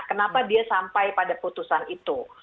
kenapa dia sampai pada putusan itu